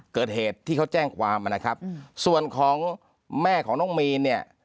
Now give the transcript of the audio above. เกิดเหตุที่เขาแจ้งความนะครับส่วนของแม่ของน้องมีนเนี่ย